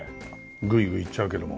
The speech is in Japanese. グイグイいっちゃうけども。